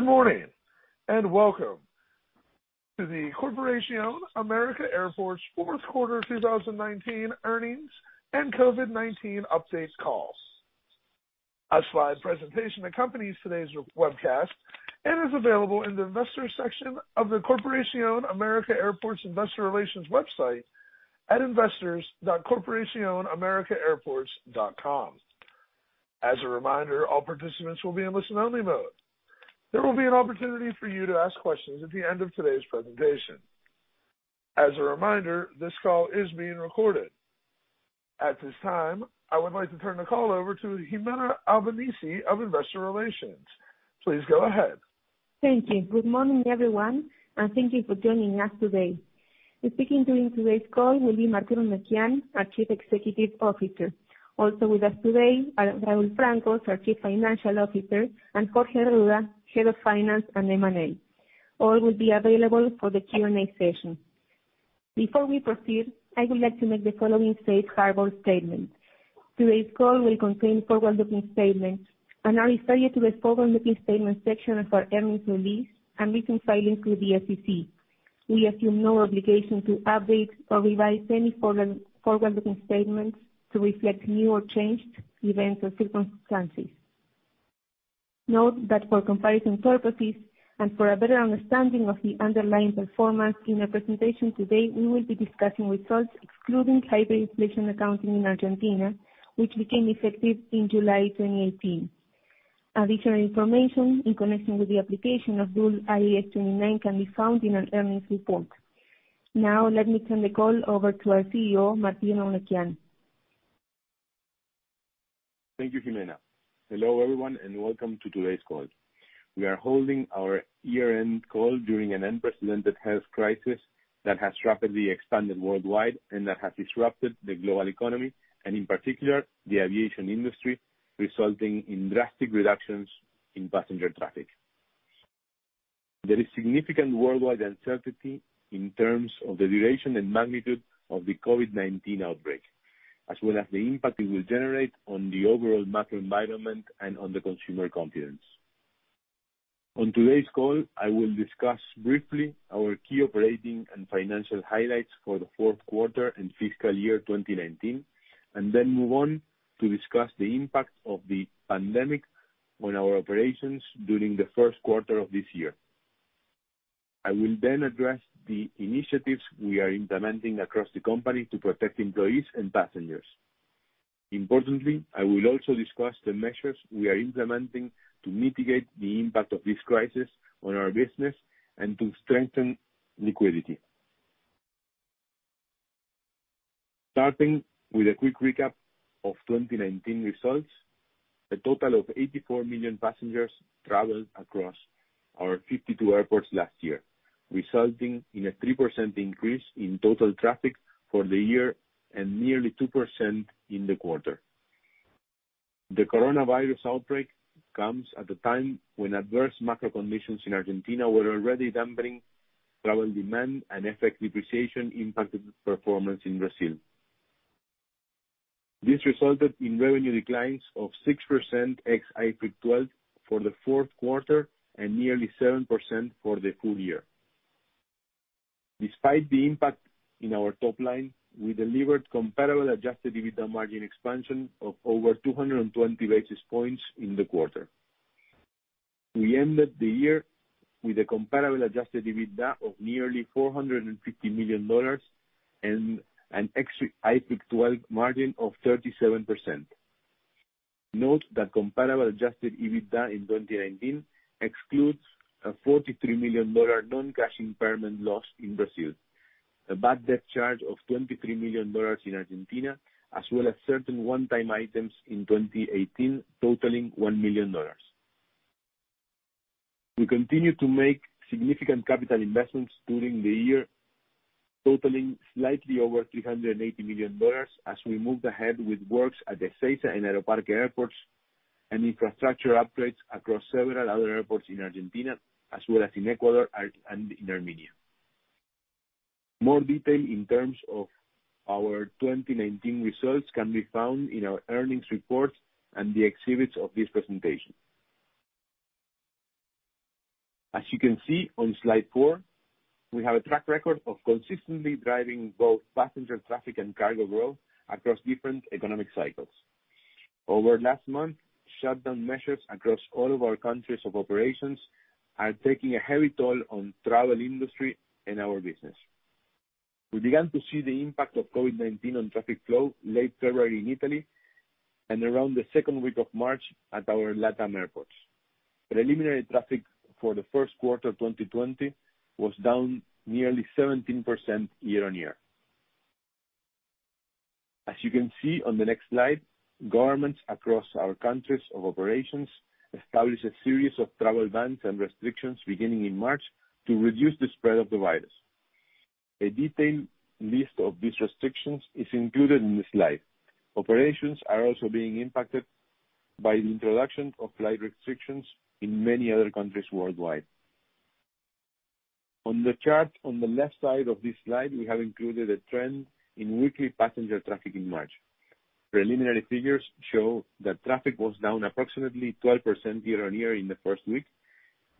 Good morning, and welcome to the Corporación América Airports Fourth Quarter 2019 Earnings and COVID-19 Update Call. A slide presentation accompanies today's webcast and is available in the Investors section of the Corporación América Airports investor relations website at investors.corporacionamericaairports.com. As a reminder, all participants will be in listen only mode. There will be an opportunity for you to ask questions at the end of today's presentation. As a reminder, this call is being recorded. At this time, I would like to turn the call over to Gimena Albanesi of Investor Relations. Please go ahead. Thank you. Good morning, everyone, and thank you for joining us today. Speaking to you on today's call will be Martín Eurnekian, our Chief Executive Officer. Also with us today are Raúl Francos, our Chief Financial Officer, and Jorge Arruda, Head of Finance and M&A. All will be available for the Q&A session. Before we proceed, I would like to make the following safe harbor statement. Today's call will contain forward-looking statements. I refer you to the forward-looking statements section of our earnings release and recent filings with the SEC. We assume no obligation to update or revise any forward-looking statements to reflect new or changed events or circumstances. Note that for comparison purposes and for a better understanding of the underlying performance in our presentation today, we will be discussing results excluding hyperinflation accounting in Argentina, which became effective in July 2018.. Additional information in connection with the application of Rule IAS 29 can be found in our earnings report. Let me turn the call over to our CEO, Martín Eurnekian. Thank you, Gimena. Hello, everyone, welcome to today's call. We are holding our year-end call during an unprecedented health crisis that has rapidly expanded worldwide and that has disrupted the global economy, and in particular, the aviation industry, resulting in drastic reductions in passenger traffic. There is significant worldwide uncertainty in terms of the duration and magnitude of the COVID-19 outbreak, as well as the impact it will generate on the overall macro environment and on the consumer confidence. On today's call, I will discuss briefly our key operating and financial highlights for the fourth quarter and fiscal year 2019, and then move on to discuss the impact of the pandemic on our operations during the first quarter of this year. I will address the initiatives we are implementing across the company to protect employees and passengers. Importantly, I will also discuss the measures we are implementing to mitigate the impact of this crisis on our business and to strengthen liquidity. Starting with a quick recap of 2019 results, a total of 84 million passengers traveled across our 52 airports last year, resulting in a 3% increase in total traffic for the year and nearly 2% in the quarter. The coronavirus outbreak comes at a time when adverse macro conditions in Argentina were already dampening travel demand and effect depreciation impacted performance in Brazil. This resulted in revenue declines of 6% ex IFRIC 12 for the fourth quarter and nearly 7% for the full year. Despite the impact in our top line, we delivered comparable adjusted EBITDA margin expansion of over 220 basis points in the quarter. We ended the year with a comparable adjusted EBITDA of nearly $450 million, and an extra IFRIC 12 margin of 37%. Note that comparable adjusted EBITDA in 2019 excludes a $43 million non-cash impairment loss in Brazil, a bad debt charge of $23 million in Argentina, as well as certain one-time items in 2018 totaling $1 million. We continued to make significant capital investments during the year, totaling slightly over $380 million as we moved ahead with works at Ezeiza and Aeroparque airports and infrastructure upgrades across several other airports in Argentina, as well as in Ecuador and in Armenia. More detail in terms of our 2019 results can be found in our earnings report and the exhibits of this presentation. You can see on slide four, we have a track record of consistently driving both passenger traffic and cargo growth across different economic cycles. Over last month, shutdown measures across all of our countries of operations are taking a heavy toll on travel industry and our business. We began to see the impact of COVID-19 on traffic flow late February in Italy and around the second week of March at our LatAm airports. Preliminary traffic for the first quarter 2020 was down nearly 17% year-on-year. As you can see on the next slide, governments across our countries of operations established a series of travel bans and restrictions beginning in March to reduce the spread of the virus. A detailed list of these restrictions is included in the slide. Operations are also being impacted by the introduction of flight restrictions in many other countries worldwide. On the chart on the left side of this slide, we have included a trend in weekly passenger traffic in March. Preliminary figures show that traffic was down approximately 12% year-on-year in the first week,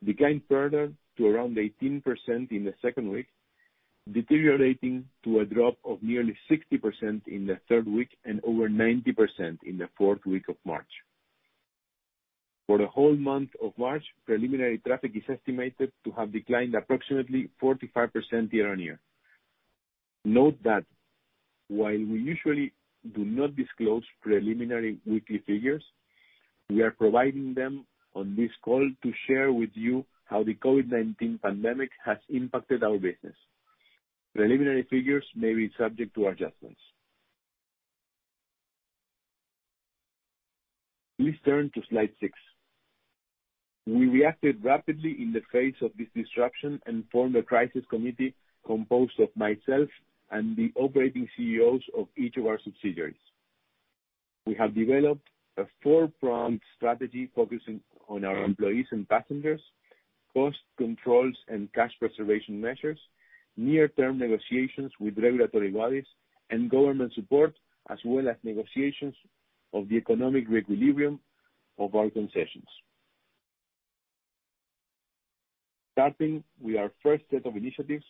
declined further to around 18% in the second week, deteriorating to a drop of nearly 60% in the third week, and over 90% in the fourth week of March. For the whole month of March, preliminary traffic is estimated to have declined approximately 45% year-on-year. Note that while we usually do not disclose preliminary weekly figures, we are providing them on this call to share with you how the COVID-19 pandemic has impacted our business. Preliminary figures may be subject to adjustments. Please turn to slide six. We reacted rapidly in the face of this disruption and formed a crisis committee composed of myself and the operating CEOs of each of our subsidiaries. We have developed a four-pronged strategy focusing on our employees and passengers, cost controls and cash preservation measures, near-term negotiations with regulatory bodies and government support, as well as negotiations of the economic re-equilibrium of our concessions. Starting with our first set of initiatives,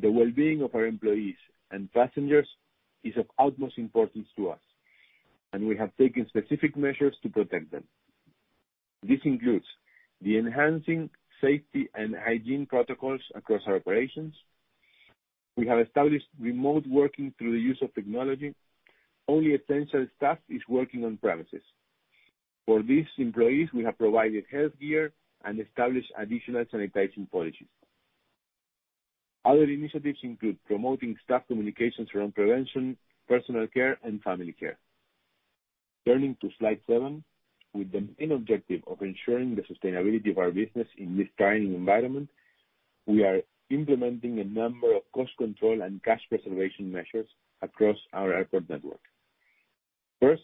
the wellbeing of our employees and passengers is of utmost importance to us, and we have taken specific measures to protect them. This includes the enhancing safety and hygiene protocols across our operations. We have established remote working through the use of technology. Only essential staff is working on premises. For these employees, we have provided health gear and established additional sanitizing policies. Other initiatives include promoting staff communications around prevention, personal care, and family care. Turning to slide seven. With the main objective of ensuring the sustainability of our business in this trying environment, we are implementing a number of cost control and cash preservation measures across our airport network. First,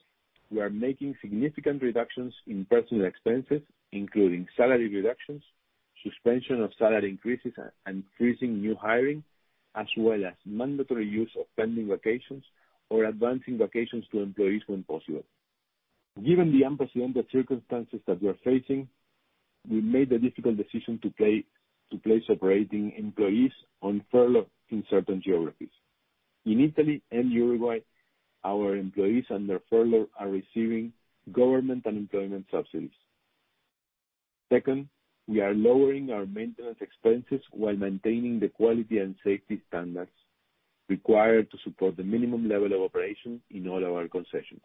we are making significant reductions in personal expenses, including salary reductions, suspension of salary increases, and freezing new hiring, as well as mandatory use of pending vacations or advancing vacations to employees when possible. Given the unprecedented circumstances that we are facing, we made the difficult decision to place operating employees on furlough in certain geographies. In Italy and Uruguay, our employees under furlough are receiving government unemployment subsidies. Second, we are lowering our maintenance expenses while maintaining the quality and safety standards required to support the minimum level of operation in all our concessions.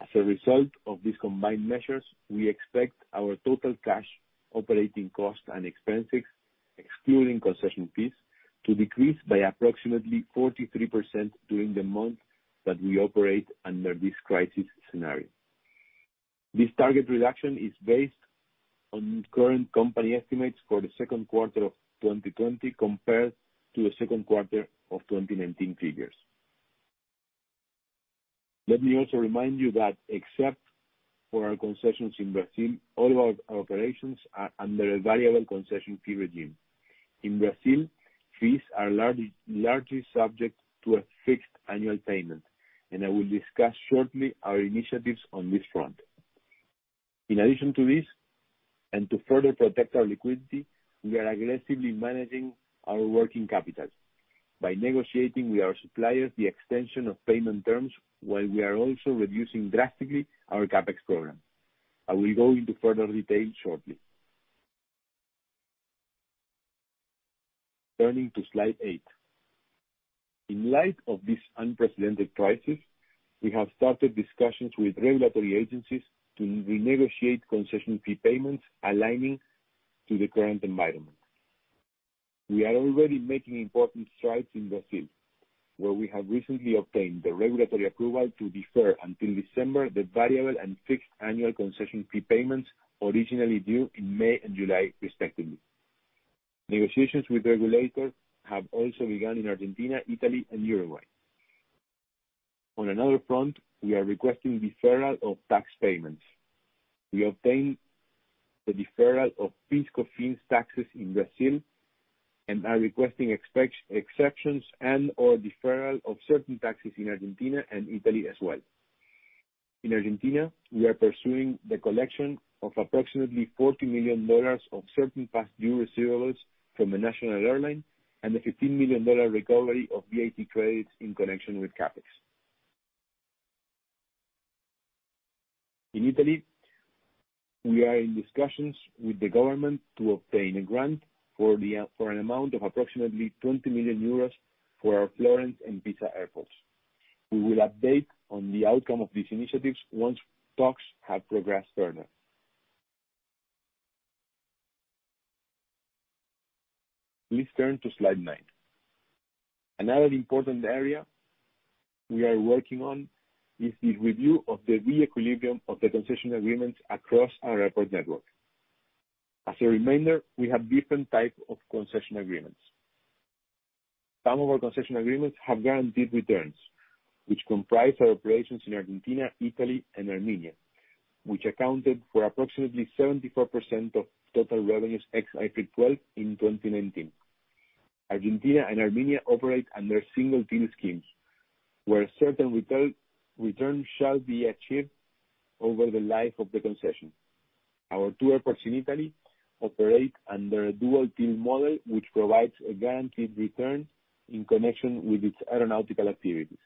As a result of these combined measures, we expect our total cash operating costs and expenses, excluding concession fees, to decrease by approximately 43% during the months that we operate under this crisis scenario. This target reduction is based on current company estimates for the second quarter of 2020 compared to the second quarter of 2019 figures. Let me also remind you that except for our concessions in Brazil, all of our operations are under a variable concession fee regime. In Brazil, fees are largely subject to a fixed annual payment, and I will discuss shortly our initiatives on this front. In addition to this, and to further protect our liquidity, we are aggressively managing our working capital by negotiating with our suppliers the extension of payment terms, while we are also reducing drastically our CapEx program. I will go into further detail shortly. Turning to slide eight.In light of this unprecedented crisis, we have started discussions with regulatory agencies to renegotiate concession fee payments aligning to the current environment. We are already making important strides in Brazil, where we have recently obtained the regulatory approval to defer until December the variable and fixed annual concession fee payments originally due in May and July, respectively. Negotiations with regulators have also begun in Argentina, Italy, and Uruguay. On another front, we are requesting deferral of tax payments. We obtained the deferral of PIS/COFINS taxes in Brazil and are requesting exceptions and/or deferral of certain taxes in Argentina and Italy as well. In Argentina, we are pursuing the collection of approximately $40 million of certain past due receivables from a national airline and a $15 million recovery of VAT credits in connection with CapEx. In Italy, we are in discussions with the government to obtain a grant for an amount of approximately 20 million euros for our Florence and Pisa airports. We will update on the outcome of these initiatives once talks have progressed further. Please turn to slide nine. Another important area we are working on is the review of the re-equilibrium of the concession agreements across our airport network. As a reminder, we have different types of concession agreements. Some of our concession agreements have guaranteed returns, which comprise our operations in Argentina, Italy, and Armenia, which accounted for approximately 74% of total revenues ex IFRIC 12 in 2019. Argentina and Armenia operate under single deal schemes, where certain returns shall be achieved over the life of the concession. Our two airports in Italy operate under a dual deal model, which provides a guaranteed return in connection with its aeronautical activities.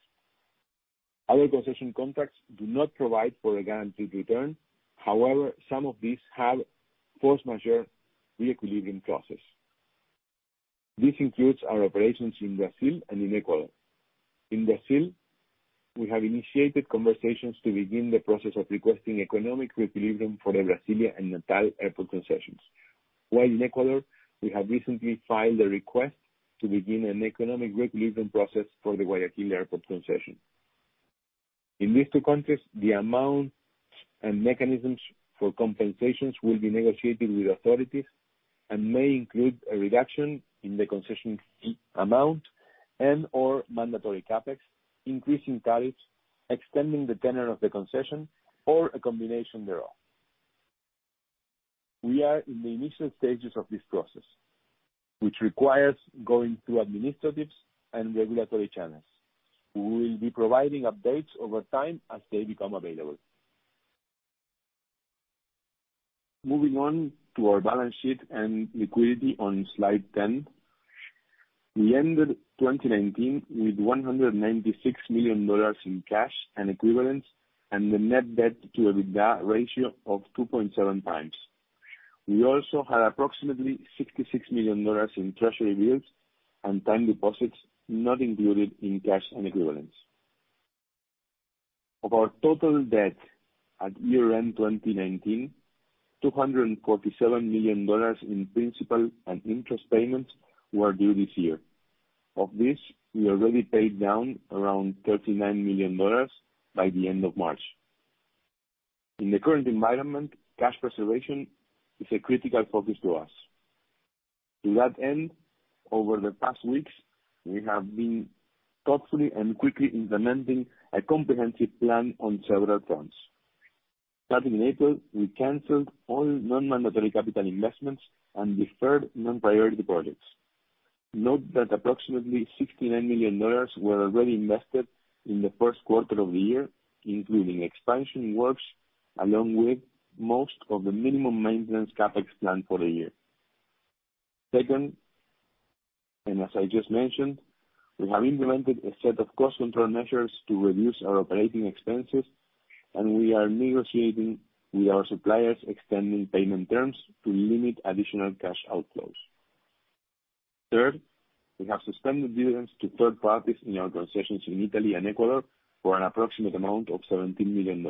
Other concession contracts do not provide for a guaranteed return. Some of these have force majeure re-equilibrium process. This includes our operations in Brazil and in Ecuador. In Brazil, we have initiated conversations to begin the process of requesting economic re-equilibrium for the Brasilia and Natal airport concessions. In Ecuador, we have recently filed a request to begin an economic re-equilibrium process for the Guayaquil airport concession. In these two countries, the amounts and mechanisms for compensations will be negotiated with authorities and may include a reduction in the concession fee amount and/or mandatory CapEx, increasing tariffs, extending the tenure of the concession, or a combination thereof. We are in the initial stages of this process, which requires going through administrative and regulatory channels. We will be providing updates over time as they become available. Moving on to our balance sheet and liquidity on slide 10. We ended 2019 with $196 million in cash and equivalents and a net debt to EBITDA ratio of 2.7x. We also had approximately $66 million in treasury bills and time deposits not included in cash and equivalents. Of our total debt at year-end 2019, $247 million in principal and interest payments were due this year. Of this, we already paid down around $39 million by the end of March. In the current environment, cash preservation is a critical focus to us. To that end, over the past weeks, we have been thoughtfully and quickly implementing a comprehensive plan on several fronts. Starting April, we canceled all non-mandatory capital investments and deferred non-priority projects. Note that approximately $69 million were already invested in the first quarter of the year, including expansion works along with most of the minimum maintenance CapEx plan for the year. Second, as I just mentioned, we have implemented a set of cost control measures to reduce our operating expenses, and we are negotiating with our suppliers extending payment terms to limit additional cash outflows. Third, we have suspended dividends to third parties in our concessions in Italy and Ecuador for an approximate amount of $17 million.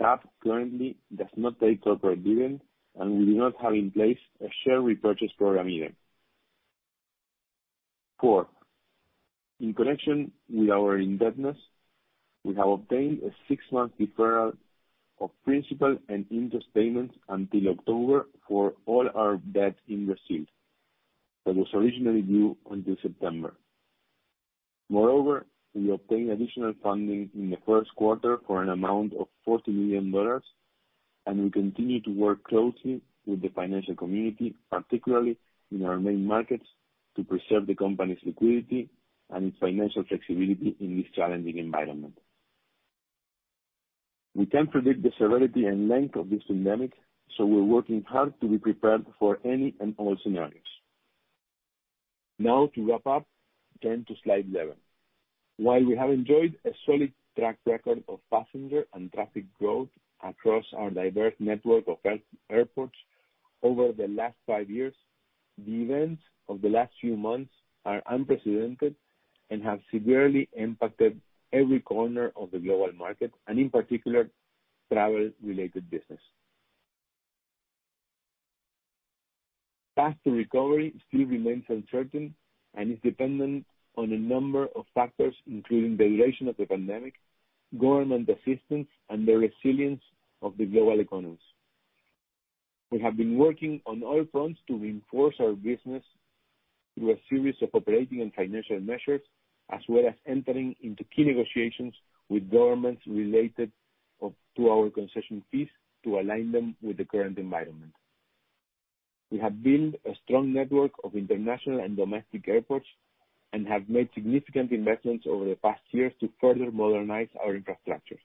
CAAP currently does not pay corporate dividend, and we do not have in place a share repurchase program either. Fourth, in connection with our indebtedness, we have obtained a six-month deferral of principal and interest payments until October for all our debt in Brazil that was originally due until September. Moreover, we obtained additional funding in the first quarter for an amount of $40 million, and we continue to work closely with the financial community, particularly in our main markets, to preserve the company's liquidity and its financial flexibility in this challenging environment. We can't predict the severity and length of this pandemic. We're working hard to be prepared for any and all scenarios. Now to wrap up, turn to slide 11. While we have enjoyed a solid track record of passenger and traffic growth across our diverse network of airports over the last five years, the events of the last few months are unprecedented and have severely impacted every corner of the global market, and in particular, travel-related business. Path to recovery still remains uncertain and is dependent on a number of factors, including the duration of the pandemic, government assistance, and the resilience of the global economies. We have been working on all fronts to reinforce our business through a series of operating and financial measures, as well as entering into key negotiations with governments related to our concession fees to align them with the current environment. We have built a strong network of international and domestic airports and have made significant investments over the past years to further modernize our infrastructure.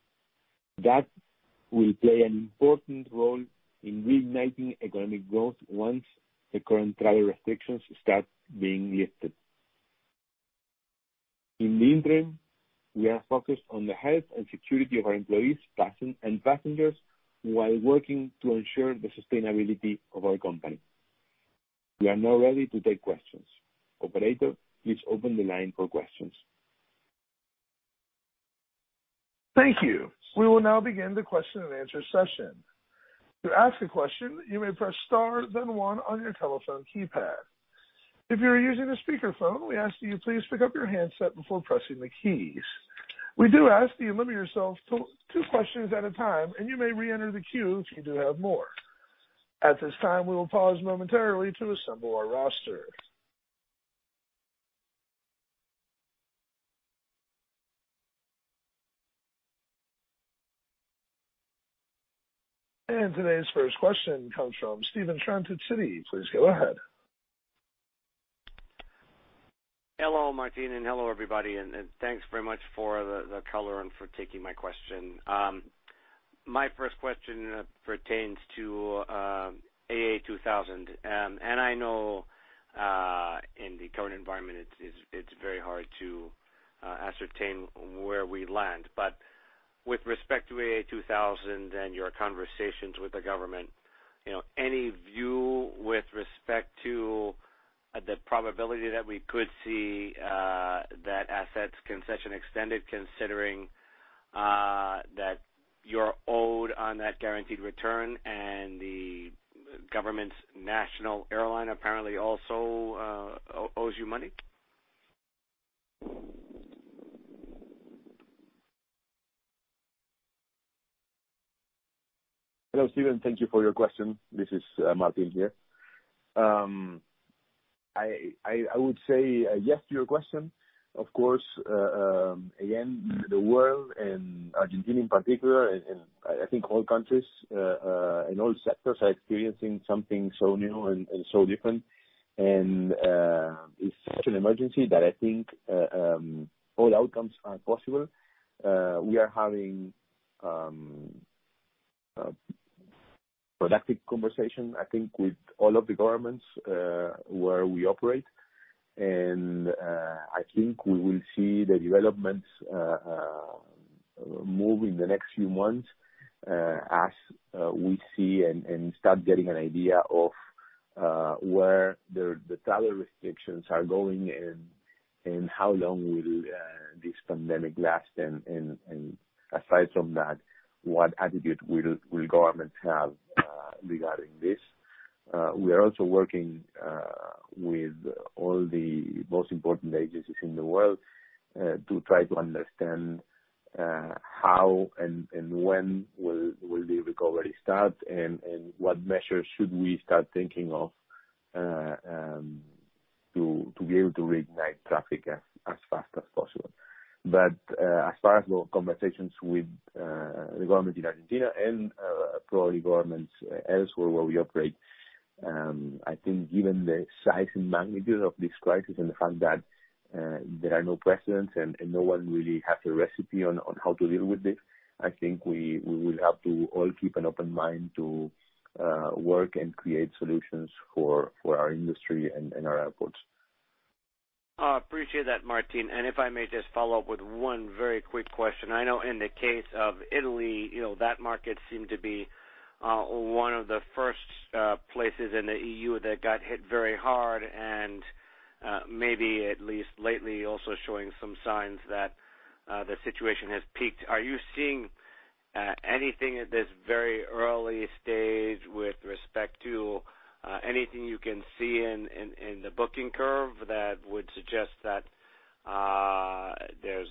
That will play an important role in reigniting economic growth once the current travel restrictions start being lifted. In the interim, we are focused on the health and security of our employees and passengers while working to ensure the sustainability of our company. We are now ready to take questions. Operator, please open the line for questions. Thank you. We will now begin the question and answer session. To ask a question, you may press star then one on your telephone keypad. If you are using a speakerphone, we ask that you please pick up your handset before pressing the keys. We do ask that you limit yourself to two questions at a time, and you may reenter the queue if you do have more. At this time, we will pause momentarily to assemble our roster. Today's first question comes from Steven Trent at Citi. Please go ahead. Hello, Martín, and hello everybody, and thanks very much for the color and for taking my question. My first question pertains to AA 2000. And I know in the current environment it's very hard to ascertain where we land. With respect to AA 2000 and your conversations with the government, you know, any view with respect to the probability that we could see that asset's concession extended, considering that you're owed on that guaranteed return and the government's national airline apparently also owes you money? Hello, Steven. Thank you for your question. This is Martín here. I would say yes to your question. Of course, again, the world and Argentina in particular, and I think all countries and all sectors are experiencing something so new and so different. It's such an emergency that I think all outcomes are possible. We are having productive conversation, I think, with all of the governments where we operate. I think we will see the developments move in the next few months, as we see and start getting an idea of where the travel restrictions are going and how long will this pandemic last, and aside from that, what attitude will governments have regarding this. We are also working with all the most important agencies in the world to try to understand how and when will the recovery start and what measures should we start thinking of to be able to reignite traffic as fast as possible. As far as our conversations with the government in Argentina and probably governments elsewhere where we operate, I think given the size and magnitude of this crisis and the fact that there are no precedents and no one really has a recipe on how to deal with this, I think we will have to all keep an open mind to work and create solutions for our industry and our airports. I appreciate that, Martín. If I may just follow up with one very quick question. I know in the case of Italy, that market seemed to be one of the first places in the EU that got hit very hard and maybe at least lately, also showing some signs that the situation has peaked. Are you seeing anything at this very early stage with respect to anything you can see in the booking curve that would suggest that there's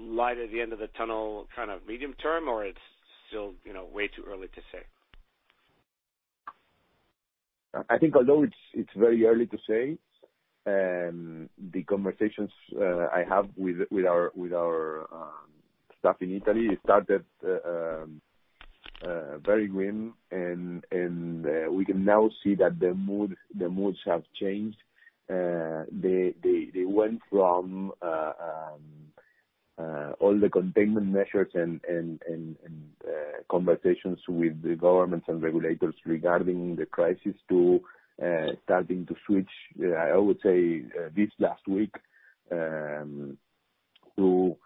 light at the end of the tunnel medium-term, or it's still, you know, way too early to say? I think although it's very early to say, the conversations I have with our staff in Italy, it started very grim, and we can now see that the moods have changed. They went from all the containment measures and conversations with the governments and regulators regarding the crisis to starting to switch, I would say, this last week, to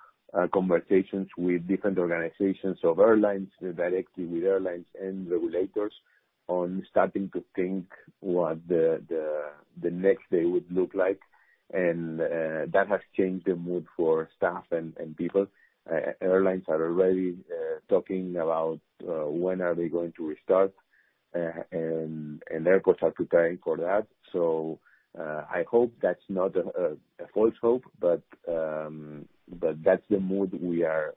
conversations with different organizations of airlines, directly with airlines and regulators on starting to think what the next day would look like. That has changed the mood for staff and people. Airlines are already talking about when are they going to restart, and airports are preparing for that. I hope that's not a false hope, but that's the mood we are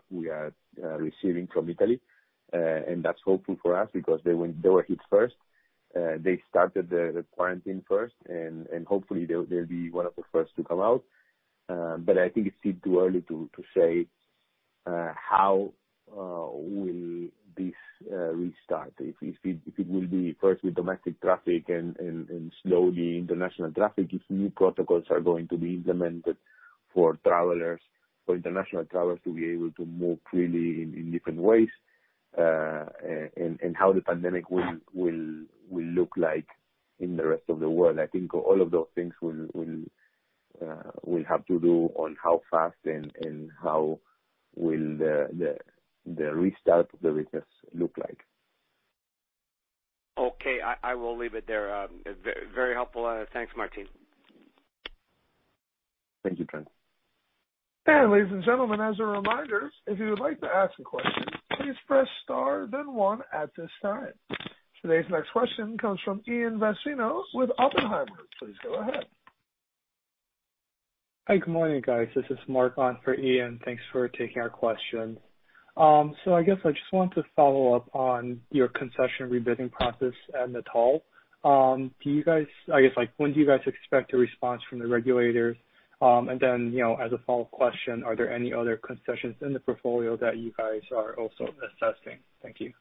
receiving from Italy. That's hopeful for us because they were hit first. They started the quarantine first, and hopefully, they'll be one of the first to come out. I think it's still too early to say how will this restart, if it will be first with domestic traffic and slowly international traffic, if new protocols are going to be implemented for travelers, for international travelers to be able to move freely in different ways, and how the pandemic will look like in the rest of the world. I think all of those things will have to do on how fast and how will the restart of the business look like. Okay. I will leave it there. Very helpful. Thanks, Martín. Thank you, Steven. Ladies and gentlemen, as a reminder, if you would like to ask a question, please press star then one at this time. Today's next question comes from Ian Zaffino with Oppenheimer. Please go ahead. Hi, good morning, guys. This is Mark on for Ian. Thanks for taking our question. I guess I just want to follow up on your concession rebidding process at Natal. When do you guys expect a response from the regulators? As a follow-up question, are there any other concessions in the portfolio that you guys are also assessing? Thank you.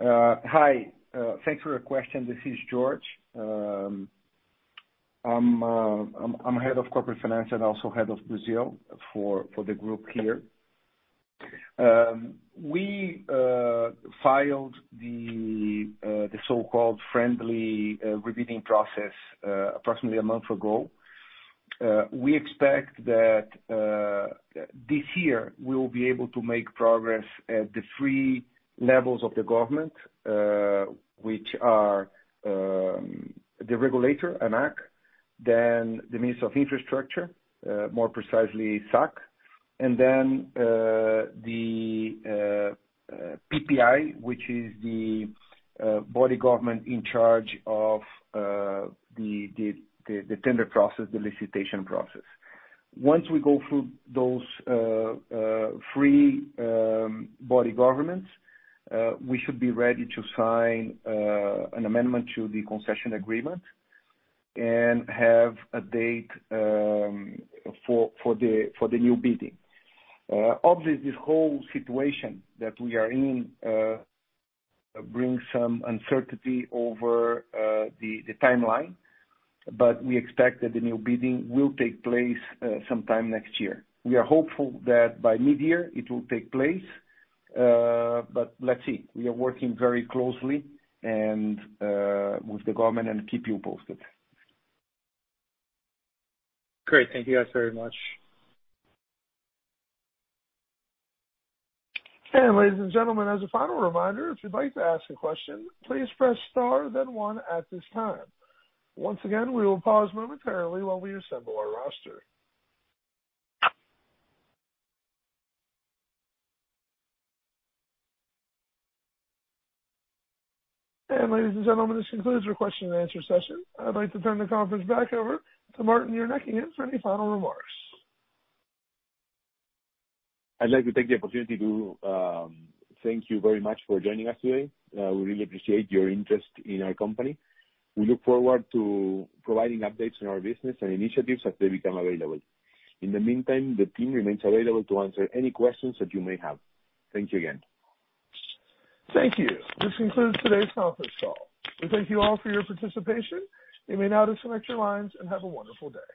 Hi, thanks for your question. This is Jorge. I'm Head of Corporate Finance and also Head of Brazil for the group here. We filed the so-called friendly rebidding process approximately a month ago. We expect that this year we will be able to make progress at the three levels of the government, which are the regulator, ANAC, then the Minister of Infrastructure, more precisely SAC, and then the PPI, which is the body government in charge of the tender process, the licitation process. Once we go through those three body governments, we should be ready to sign an amendment to the concession agreement and have a date for the new bidding. Obviously, this whole situation that we are in brings some uncertainty over the timeline. We expect that the new bidding will take place sometime next year. We are hopeful that by mid-year it will take place, but let's see. We are working very closely with the government and keep you posted. Great. Thank you guys very much. Ladies and gentlemen, as a final reminder, if you'd like to ask a question, please press star then one at this time. Once again, we will pause momentarily while we assemble our roster. Ladies and gentlemen, this concludes our question and answer session. I'd like to turn the conference back over to Martín Eurnekian for any final remarks. I'd like to take the opportunity to thank you very much for joining us today. We really appreciate your interest in our company. We look forward to providing updates on our business and initiatives as they become available. In the meantime, the team remains available to answer any questions that you may have. Thank you again. Thank you. This concludes today's conference call. We thank you all for your participation. You may now disconnect your lines and have a wonderful day.